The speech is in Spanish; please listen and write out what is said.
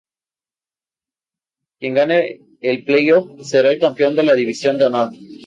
Quien gane el play-off será el campeón de la División de Honor.